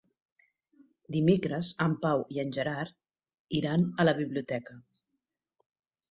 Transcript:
Dimecres en Pau i en Gerard iran a la biblioteca.